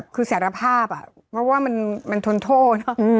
คือสารภาพอ่ะเพราะว่ามันทนโทษนะ